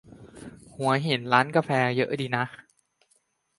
หัวหินร้านกาแฟเยอะดีนะ